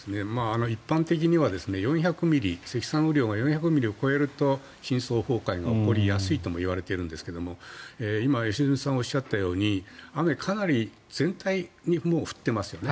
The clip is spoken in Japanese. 一般的には積算雨量が４００ミリを超えると深層崩壊が起こりやすいともいわれているんですけれども今、良純さんがおっしゃったように雨、かなり全体に降っていますよね。